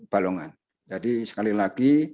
balongan jadi sekali lagi